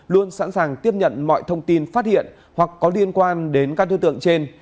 luôn sẵn sàng tiếp nhận mọi thông tin phát hiện hoặc có liên quan đến các đối tượng trên